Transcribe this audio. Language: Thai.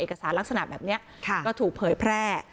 เอกสารลักษณะแบบนี้ก็ถูกเผยแพร่